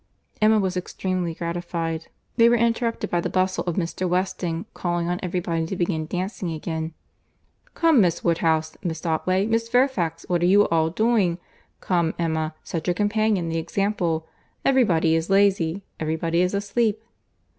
Emma was extremely gratified.—They were interrupted by the bustle of Mr. Weston calling on every body to begin dancing again. "Come Miss Woodhouse, Miss Otway, Miss Fairfax, what are you all doing?—Come Emma, set your companions the example. Every body is lazy! Every body is asleep!"